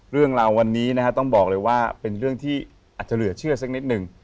เรื่องราววันนี้นะฮะต้องบอกเลยว่าเป็นเรื่องที่อาจจะเหลือเชื่อสักนิดหนึ่ง